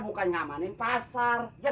bukan ngamenin pasar